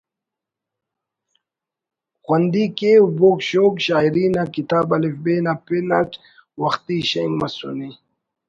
خوندی کیو بوگ شوگ شاعری نا کتاب ”الف ب“ نا پن اٹ وختی شینک مسونے